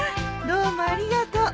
どうもありがとう。